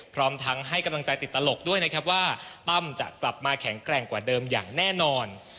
พร้อมทั้งให้กำลังใจติดตลกด้วยนะครับว่าตั้มจะกลับมาแข็งแกร่งกว่าเดิมอย่างแน่นอน